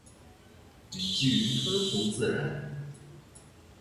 语句通俗自然